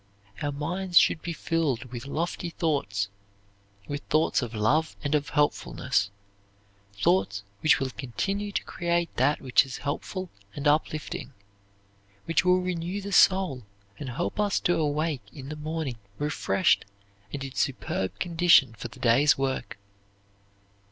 Our minds should be filled with lofty thoughts with thoughts of love and of helpfulness thoughts which will continue to create that which is helpful and uplifting, which will renew the soul and help us to awake in the morning refreshed and in superb condition for the day's work.